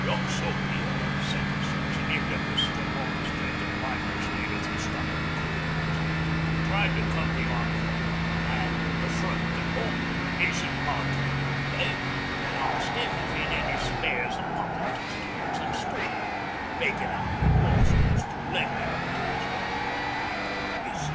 'Young Soapy, o' the Centre Section, 'im that was struck off the strength at Wipers later through stoppin' a Coal Box, tried to come the artful, an' 'ad the front to 'alt the Division padre one day an' ask 'im if 'e'd any spares o' pocket Testaments in store, makin' out 'e'd lost 'is through lendin' it to 'is Number One, who had gone "Missin'."